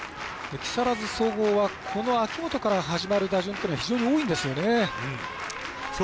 木更津総合は秋元から始まる打順が非常に多いんですよね。